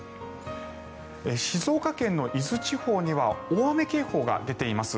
静岡県の伊豆地方には大雨警報が出ています。